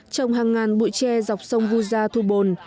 trồng hàng ngàn bụi tre dọc sông vu gia thu bồn